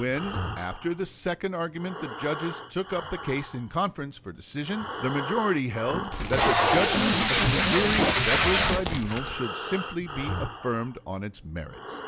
When after the second argument the judges took up the case in conference for decision, the majority held that the judgment of the Missouri Federal tribunal should simply be affirmed on its merits.